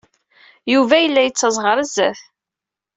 Yuba yella yettaẓ ɣer sdat.